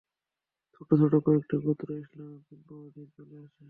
ছোট ছোট কয়েকটি গোত্র ইসলামের পূর্ণ অধীনে চলে আসে।